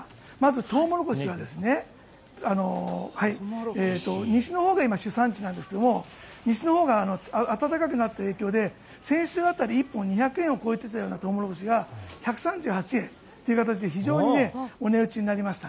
トウモロコシは西のほうが主産地なんですが西のほうが暖かくなった影響で先週辺り１本２００円を超えていたようなトウモロコシが１３８円と非常にお値打ちになりました。